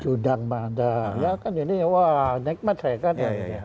judang bandar ya kan ini wah nikmat saya kan